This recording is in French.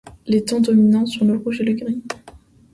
Les tons dominants sont le rouge et le gris.